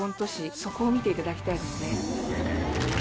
そこを見ていただきたいですね。